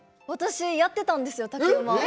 私、やってたんですよ。